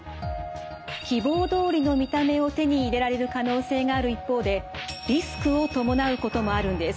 希望どおりの見た目を手に入れられる可能性がある一方でリスクを伴うこともあるんです。